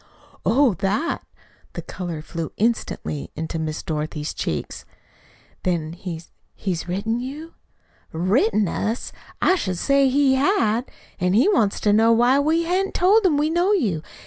"Oh, THAT!" The color flew instantly into Miss Dorothy's cheeks. "Then he's he's written you?" "Written us! I should say he had! An' he wants to know why we hain't told him we know you.